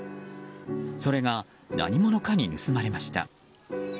それが、何者かに盗まれました。